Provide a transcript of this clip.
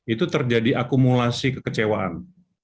itu terjadi akumulasi kekecewaan